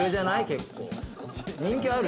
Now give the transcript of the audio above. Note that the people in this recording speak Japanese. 結構。